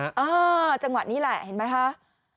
จังหวะนี้แหละเห็นไหมคะ